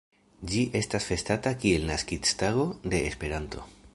Ĝi estas festata kiel naskiĝtago de Esperanto.